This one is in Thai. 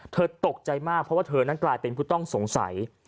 ตกใจมากเพราะว่าเธอนั้นกลายเป็นผู้ต้องสงสัย